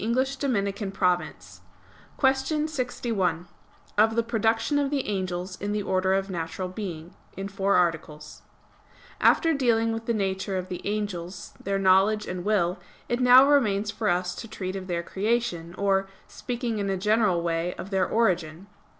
_______________________ QUESTION 61 OF THE PRODUCTION OF THE ANGELS IN THE ORDER OF NATURAL BEING (In Four Articles) After dealing with the nature of the angels, their knowledge and will, it now remains for us to treat of their creation, or, speaking in a general way, of their origin.